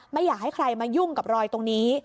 ไม่อยากให้ใครมายุ่งกับรอยตรงนี้